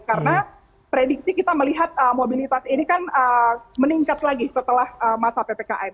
karena prediksi kita melihat mobilitas ini kan meningkat lagi setelah masa ppkn